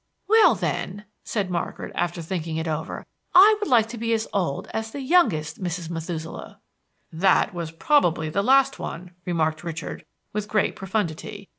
"Well, then," said Margaret, after thinking it over, "I would like to be as old as the youngest Mrs. Methuselah." "That was probably the last one," remarked Richard, with great profundity.